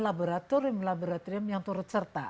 laboratorium laboratorium yang turut serta